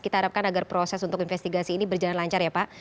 kita harapkan agar proses untuk investigasi ini berjalan lancar ya pak